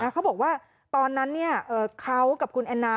เขาบอกว่าตอนนั้นเขากับคุณแอนนา